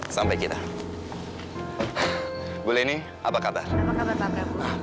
sampai kita bu leni apa kabar apa kabar